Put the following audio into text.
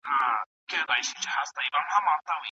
الله پاک د بندګانو تر ټولو نږدې دوست دی.